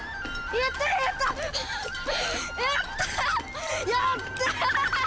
やった！